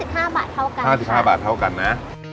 ห้าสิบห้าบาทเท่ากันห้าสิบห้าบาทเท่ากันนะ